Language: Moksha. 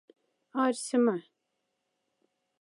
Арьсема.